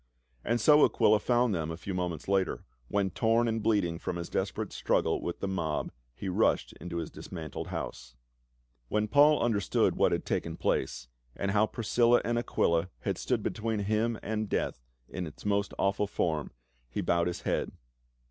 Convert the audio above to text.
And so Aquila found them a few moments later, when torn and bleeding from his desperate struggle with the mob, he rushed into his dismantled house. When Paul understood what had taken place, and how Priscilla and Aquila had stood between him and death in its most awful form,* he bowed his head.